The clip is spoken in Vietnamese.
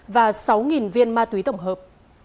và sáu viên ma túy tổng hợp